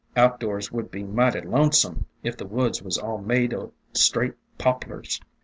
Outdoors would be mighty lonesome if the woods was all made o' straight Poplars.